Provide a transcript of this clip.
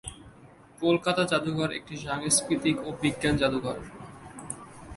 কলকাতা জাদুঘর একটি সাংস্কৃতিক ও বিজ্ঞান জাদুঘর।